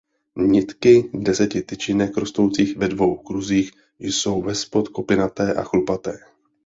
Nitky deseti tyčinek rostoucích ve dvou kruzích jsou vespod kopinaté a chlupaté.